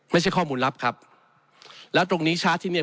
ไม่ใช่ข้อมูลลับครับแล้วตรงนี้ชาร์จที่เนี่ย